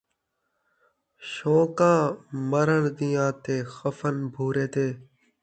شون٘قاں مرݨ دیاں تے خفن بھورے دے